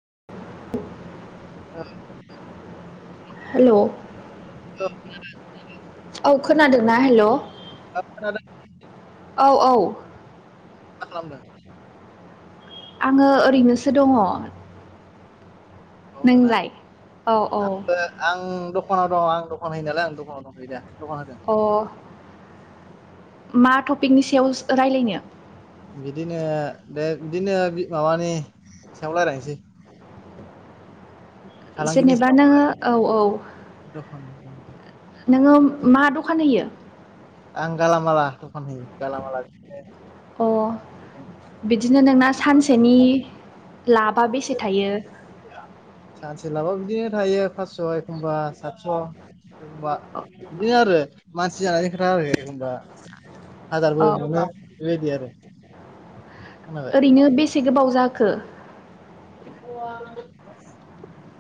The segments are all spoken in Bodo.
[inaudible] [unintelligible] हेल' [unintelligible] औ खोनादोंना हेल' औ खोनादों औ औ मा खालामदों? आङो ओरैनोसो दङ नवावनो ना नोंलाय औ औ आंबो आं दं दखानाव दङ आं दखान हैयो नालाय आं दखानाव दंथ'यो दा दखान होदों अ मा टपिकनि सायाव रायलायनो बिदिनो दे बिदिनो माबानि सायाव रायलायसै। जेनेबा सायाव नोङो औ औ। [unintelligible] नोङो मा दखान होयो? आं गालामाला दख गालामाल। अ बिदिनो नोंना सानसेनि लाबा बेसे थायो? सोलाबा बिदिनो थायो फासस' एखमबा सातस' एखमबा बिदिनो आरो मानसि जानायनि खोथा आरो एखब। होनबा हाजारबो औ मोनो बेबायदि आरो। खोनाबाय ओरैनो बेसे गोबाव जाखो?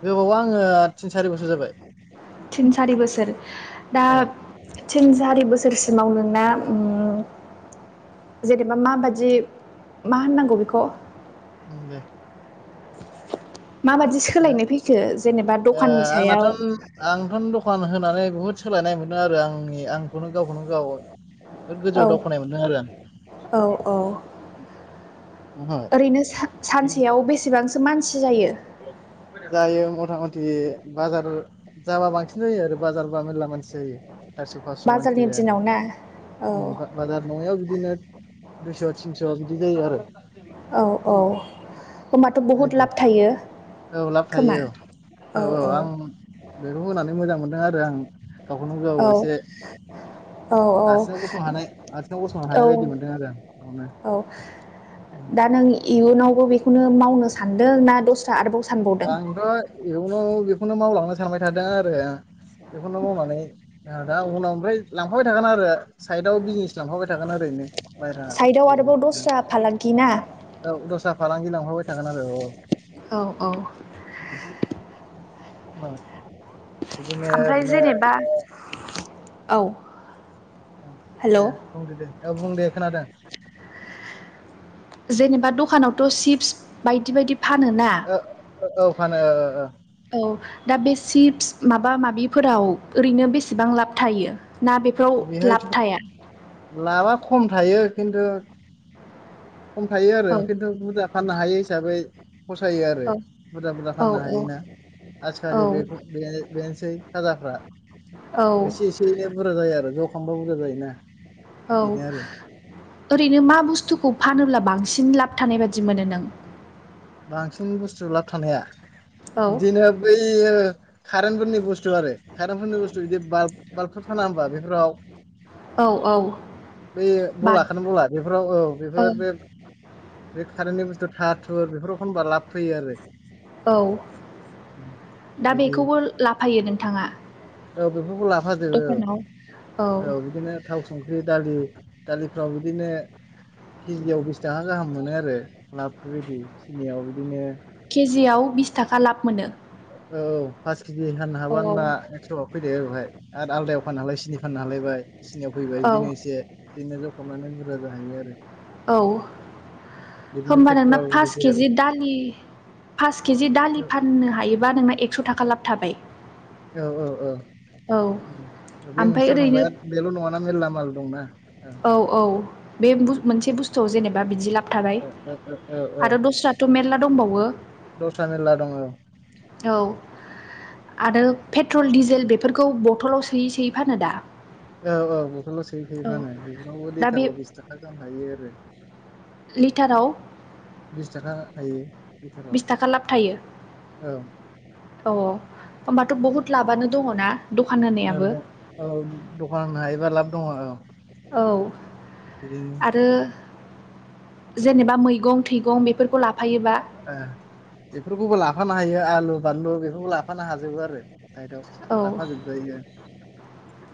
गोबावा आङो तिन सारि बोसोर जाबाय। तिन सारि बोसोर दा औ थिन सारि बोसोरसिमाव नोंना जेनेबा माबादि मा होननांगौ बेखौ? दे माबादि सोलायनाय फैखो जेनेबा दखाननि आ सायाव ओ औ आंथ' दखान होनानै बुहुद सोलायनाय मोनदों। आरो आंनि आंखौनो गावखौनो गाव बिराद औ गोजौआव दावखोनाय मोनदों आरो आं औ औ ओमफ्राय ओरैनो सानसेयाव बेसेबांसो मानसि जायो? जायो मथा मथि बाजार जाबा बांसिन बि जायो आरो बाजार बा मेर्ला मानसि जायो सारिस' फासस' मानसि बाजारनि जायो दिनाव ना औ आरो। बाजार नङायाव बिदिनो दुइस' थिनस' बिदि जायो आरो। औ औ होनबाथ' बहुत बेबायदि लाब थायो। औ लाब खोमा थायो औ औ औ आं बेखौ होनानै मोजां मोनदों आरो आं। गावखोनो गाव औ एसे औ आथिङाव गसंनो हानाय आथिङाव गसंनो औ औ हानाय बायदि मोनदों आरो आं गावनो औ दा नों इयुनावबो बेखौनो मावनोसै आंथ' इयावनाव बेखौनो मावलाङनोै सानबाय थादों आरो बेखौनो मावनानै दा उनाव ओमफ्राय लांफाबाय थागोन आरो साइदआव बिजनेस लांफाबाय थागोन ओरैनो बाहेरा। साइडआव आरोबाव दस्रा फालांगि ना औ दस्रा फालांगि लांफाबाय थागोन आरो औ। औ औ औ ओमफ्राय बिदिनो जेनेबा औ औ हेल' दे बुंदो दे औ बुं दे खोनादों। जेनेबा दखानावथ' चिप्स बायदि बायदि फानो ना। ओ औ फानो। औ दा बे चिप्स माबा माबिफोराव ओरैनो बेसेबां लाब थायो? ना बेफोराव बेहायथ' लाब थाया लाबा खम थायो खिन्थु खम थायो आरो औ खिन्थु बुरजा फाननो हायो हिसाबै फसायो आरो औ बुरजा बुरजा औ फाननो औ हायोना। औ आजिखालि बेखौ बेनोसै साजाफ्रा औ एसे एसे एनै बुरजा जायो आरो। जखांबा बुरजा जायोना। औ बेनो आरो ओरैनो मा बुस्थुखौ फानोब्ला बांसिन सिन लाब थानाय बादि मोनो नों? बांसिन बुस्थु लाब थानाया औ बिदिनो बै कारेन्टफोरनि बुस्थु आरो कारेन्टफोरनि बुस्थु बिदि बाल् बाल्बफोर फाना होमबा बेफोराव औ औ बे बा बलाखौनो बला बेफोराव औ बेफोर बे बे कारेन्टनि बुस्थु थार थुर बेफोराव एखनबा लाब फैयो आरो औ दा बिदि बेखौबो लाफायो नोंथाङा औ बेफोरखौ लाफाजोबो दखानाव औ औ बिदिनो थाव संख्रि दालि दालि फाव बिदिनो केजियाव बिसथाखा गाहाम मोनो आरो लाब बेबायदि नियाव बिदिनो केजिआव बिसथाखा लाब मोनो औ फास खिजि फाननो औ हाबा ना एक्स'आव फैदो हाय आरो बावहाय आलदायाव फाननो हालाय सिनि फाननो हालायबाय सिनियाव फैबाय। बिदिनो औ एसे बिदिनो ज' खालामनानै बुरजा जाहैयो आरो औ बिदिनो होनबा नोंना पेट्रल पास डिजेल केजि दालि। पास केजि दालि फाननो हायोबा नोंना एकस' थाखा लाब थाबाय। औ औ औ औ ओम बे ओमफ्राय मोनसेयाव ओरैनो थांबाय आरो बेल' नङाना मेल्ला माल दंना। औ औ बे बु मोनसे बुस्थुआव जेनेबा बिदि लाब थाबाय औ औ औ औ आरो दस्राथ' मेरला दंबावो। दस्रा मेरला दङ औ औ आरो पेट्रल दिडिजेल बेफोरखौ बथलाव सोयै सोयै फानो दा। औ औ बथलाव सोयै सोयै औ फानो बेफोरावबो दा बे लिटाराव बिस थाखा गाहाम थायो आरो लिटाराव बिस थाखा थायो। लिटाराव बिस थाखा लाब थायो औ औ औ होमबाथ' बहुत लाबानो दङ ना? औ दं औ दखान होनो हायोबा लाब दङ औ। औ बिदिनो आरो जेनेबा मैगं थैगं बेफोरखौ ला अ बेफोरखौबो लाफानो हायो आलु बानलु बेफोरखौ लाफानो हाजोबो आरो साइदआव औ लाफाजोबजायो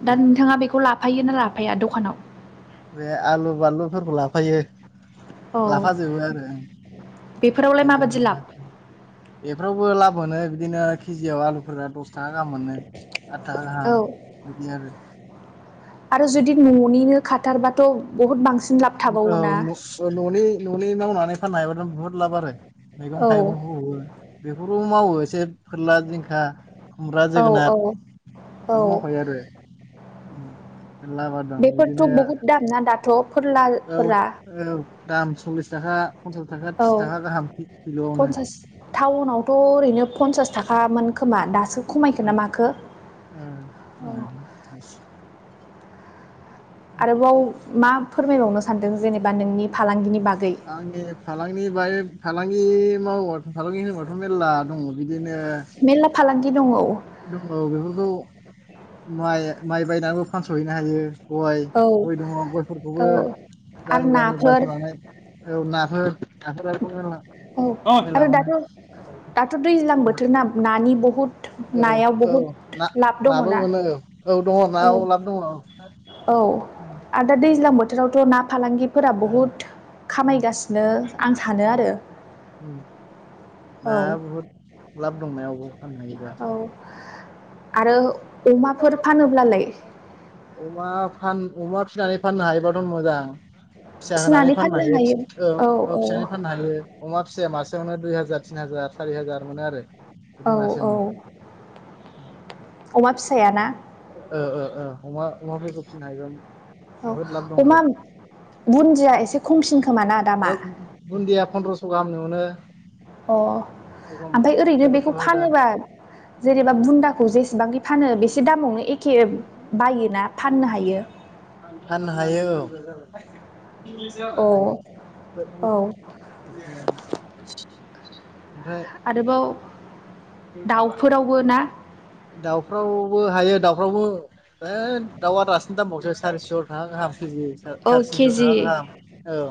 दा नोंथाङा बेखौ लाफायो ना लाफाया दखानाव? बे आलु बानलुफोरखौ लाफायो। औ लाफाजोबो आरो ओं बेफोरावलाय एदम माबादि लाब बेफ्रावबो लाब मोनो बिदिनो केजियाव आलुफोरा दस थाखा गाहाम मोनो। आदथाखा औ गाम बिदि आरो आरो जुदि न'निनो खाथारबाथ' बहुत बांसिन लाब थाबावोना औ न' अ न'नि न'नि मावनानै फाननो हायोबाथ बुहुत लाब आरो मैगं औ थाइगंखौबो बे खर' मावो एसे फोरला जिंखा खुमब्रा औ जोगोनार औ औ बेबो मावफायो आरो ओम बेफोरथ' बहुद दाम ना दाथ'? औ फोरलाफोरा औ दाम सल्लिस थाखा पन्सास थाखा त्रिस थाखा गाहाम किल'आवनो। सोस टाउनावथ' ओरैनो फन्सास थाखामोन खोमा दासो खमायखो ना माखो उम उम औ उम ओ आरोबाव मा फोरमायबावनो सानदों जेनेबा नोंनि फालांगिनि। बागै आंनि फालांगि बाय फालांगि मावब' फालांगि होनोबाथ' मेर्ला दङ बिदि। दिनो मेरला फालांगि दङ औ दङ बेफोरखौ माइ माइ बायनानैबो फानस'हैनो हायो। गय गय औ दङ गयफोरखौबो आरो गामि गामि नाफोर बायस'नानै। औ नाफोर औ अ मेला आरो दाथ' दाथ' दैज्लां मोनो बोथोर ना नानि बहुद औ नायाव औ बहुद ना लाब नाबो दङना मोनो औ औ दङ ना औ अ लाब दङ ओ। औ आरो दा दैज्लां बोथोरावथ' ना फालांगि। फोरा बुहुत खामायगासिनो आं सानो उम आरो उम औ नाया बहुद लाब दंनायाबो। औ आरो अमाफोर फानोब्लालाय अमा फान अमा फिसनानै फाननो हायोबाथ' मोजां। फिसा होनानै फाननो हायो औ फिनानै फाननो हायो अमा। फिसाया मासेयावनो दुइ हाजार तिन हाजार सारि हाजार मोनो आरो औ बिदि औ मासेयावनो अमा फिसाया ना। ओ ओ ओ अमा अमाफोरखौ फिसिनो हायोबा औ बहुद लाब दं अमा आरो बुन्दिया एसे खमसिन। खोमा ना दामा औ बुन्दिया पन्द्रस' गाहामनि मोनो। अ एखम ओमफ्राय ओरैनो बेखौ तेरस' हाजार फानोबा जेनेबा बुन्दाखौ जेसेबांफानो बे एसे दामावनो एखे बायोना फाननो हायो। फाननो औ [inaudible] औ [inaudible] ओमफ्राय आरोबाव दाउफोरावबो ना दाउफ्रावबो हायो दाउफ्रावबो है दाउआ दासिन दामावसो सारिस' थाखा गाहाम केजि औ साराय थिनस' केजि थाखा गाहाम औ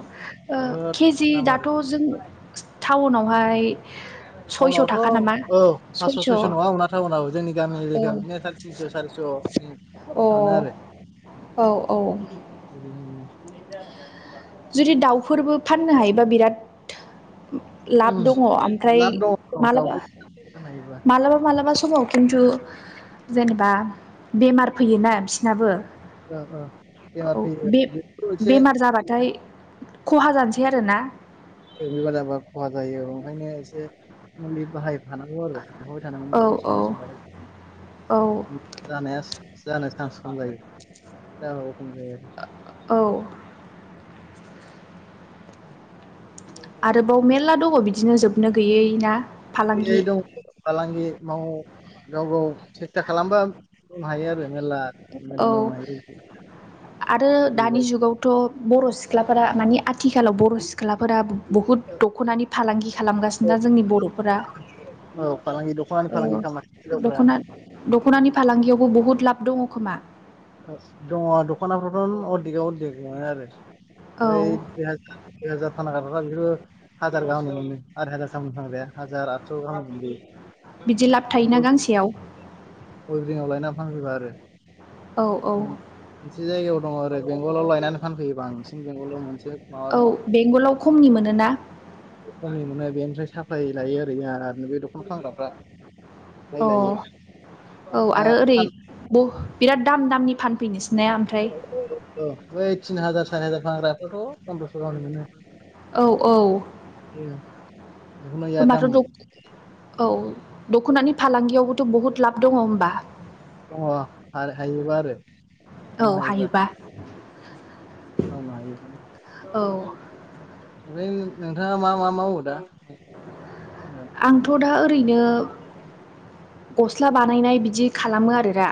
बहुद केजि दाम आरो दाथ' जों आवहाय टाउनावथ' औ पासस' सयस' नङा औ अना टाउनाव जोंनि गामि एरिकायाव बिदिनो साराय थिनस' सारिस' दस्नि [unintelligible] अ औ औ बि [unintelligible] जुदि दाउफोरबो फाननो हायोबा बिराद लाब दङ ओमफ्राय लाब दङ माबा दाउखौ नायोबा मालाबा मालाबा समाव खिन्थु जेनेबा बेमार फैयोना बिसनाबो ओ ओ बेमार फैयो बेबो मोनसे बेमार जाबाथाय खहा जानोसै आरोना बेमार जाबा खहा जायो ओंखायनो एसे मुलि बाहायफानां न आरो सोंहारबाय औ थानांगौ औ समाय समाय औ हो जानाया [unintelligible] जानो सान्स खम जायो जाबो खम जायो आरो औ [inaudible] आरोबाव मेरला दङ बिदिनो जोबनो गैयै ना फालांगि दं फालांगि मावो गाव गाव सेस्था खालामबा हायो आरो मेरला मेरला औ मावनो हायो बिदि आरो दानि जुगावथ' बर' सिख्लाफोरा मानि आथिखालाव बर' सिख्लाफोरा बुहुद दख'नानि फालांगि खालामगासिनो जोंनि बर'फोरा औ फालांगि दख'नानि फालांगि औ खालामनो हायो दख'ना हिनजावफ्रा दख'नानि फालांगियावबो बहुत लाब दङ खोमा दङ दख'नाफ्रावथ' अर्देकआव अर्देक मोनो आरो औ बै दुइ हाजार दुइ हाजार फानग्रा [unintelligible] बिसोर [unintelligible] हाजार गाहामनो मोनो आराय हाजार गाहामनि फानग्राया हाजार आदस' गाहाम मोन बिदि लाब जायो थायोना बे गांसेयाव उइभिङाव लायो ना [unintelligible] बांग्रिबा आरो औ औ मोनसे जायगायाव दङ आरो बेंगलाव लायनानै फानफैयोबा बांसिन बेंगलाव मोन औ बेंगलाव खमनि मोनोना बाहाय मोनो बेनिफ्राय साप्लाय लायो ओरै आरो बे दख'ना फानग्राफ्रा फ्राय अ लायो औ दा आरो ओरै फान बिराद दाम दामनि फानफैनो ओइ तिन हाजार सारि हाजार फानग्राफ्रा थ' पन्द्रस' गाहामनि औ औ मोनो बेयो होमबाथ' दख औ दख'नानि फालांगियावबोथ' बुहुत लाब दङ होमबा दङ हायोबा आरो खालामनो हायोबा मावनो हायो औ ओमफ्राय नोंथाङा मा मा मावो दा आंथ' दा ओरैनो। गस्ला बानायनाय बिदि खालामो आरो दा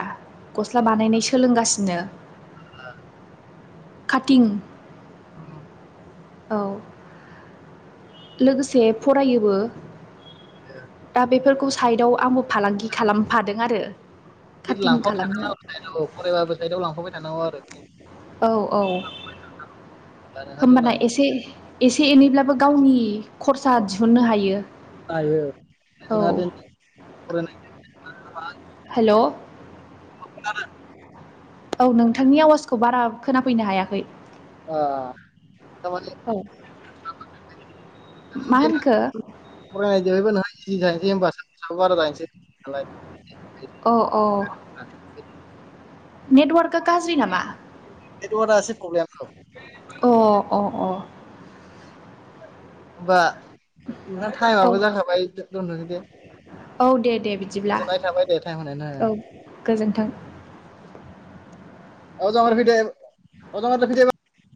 गस्ला बानायनाय सोलोंगासिनो [inaudible] खाथिं उम औ लोगोसे फरायोबो दा बेफोरखौ साइटआव आंबो फालांगि खालामफादों आरो। बि काटिं लांफाबाय खालामनो थानांगो‌फरायबाबो बिदिनो लांफाबाय थानांगौ आरो। औ औ। उम होमबाना एसे एसे एनैब्लाबो गावनि खरसा दिहुुननो हायो। औ जोंहा दि फरायनाय हेल' औ नोंथांनि आवाजखौ बारा खोनाफैनो हायाखै। अ औ। मा होनखो फनाय जोबैबो नों जनोसै हबााब बारा जाहैसैलाय। औ औ नेटवार्कआ गाज्रि नामा? नेतवार आं एसे। प्रब्लेम औ अ अ अ। होमबा नोंहा औ टाइमाबो जाखाबाय दंनो दे औ दे दे बिदिब्ला गोजोननाय थाबाय दे टाइम होनायनि औ गोजोन्थों फ